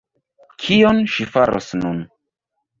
Kion ŝi faros nun?